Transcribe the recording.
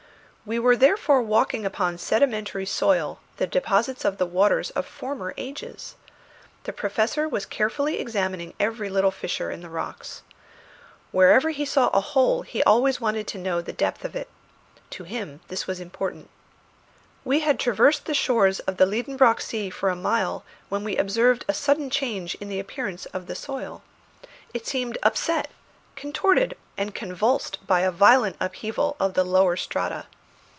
We were therefore walking upon sedimentary soil, the deposits of the waters of former ages. The Professor was carefully examining every little fissure in the rocks. Wherever he saw a hole he always wanted to know the depth of it. To him this was important. We had traversed the shores of the Liedenbrock sea for a mile when we observed a sudden change in the appearance of the soil. It seemed upset, contorted, and convulsed by a violent upheaval of the lower strata.